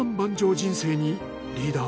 人生にリーダー